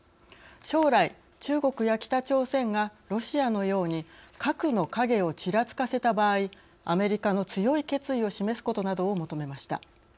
将来、中国や北朝鮮がロシアのように核の影をちらつかせた場合アメリカの強い決意を示すことなどを求めました。